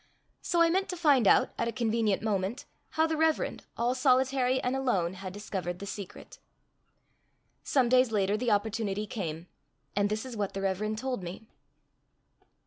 So I meant to find out, at a convenient moment, how the Reverend, all solitary and alone, had discovered the secret. Some days later the opportunity came, and this is what the Reverend told me.